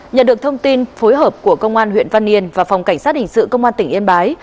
nhận được thông tin phối hợp của công an huyện văn yên và phòng cảnh sát hình sự công an tỉnh yên bái